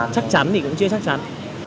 chắc chắn thì cũng chưa chắc chắn